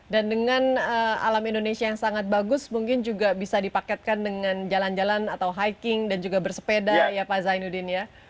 dan dengan alam indonesia yang sangat bagus mungkin juga bisa dipaketkan dengan jalan jalan atau hiking dan juga bersepeda ya pak zainuddin ya